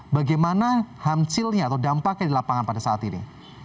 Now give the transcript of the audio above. bagaimana hamcilnya atau dampaknya di lapangan pada saat ini